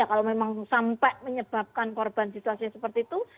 kalau memang sampai menyebabkan korban situasi seperti itu